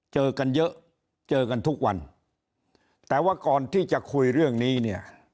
เจอกันเยอะเจอกันทุกวันแต่ว่าก่อนที่จะคุยเรื่องนี้เนี่ย